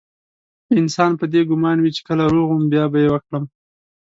انسان په دې ګمان وي چې کله روغ وم بيا به يې وکړم.